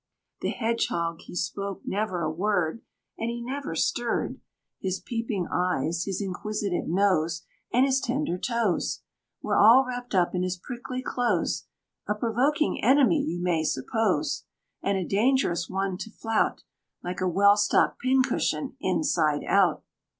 The Hedgehog he spoke never a word, And he never stirred; His peeping eyes, his inquisitive nose, And his tender toes, Were all wrapped up in his prickly clothes. A provoking enemy you may suppose! And a dangerous one to flout Like a well stocked pin cushion inside out.